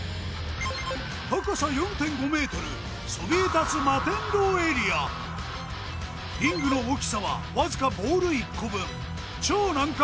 高さ４．５ｍそびえ立つ摩天楼エリアリングの大きさはわずかボール１個分超難関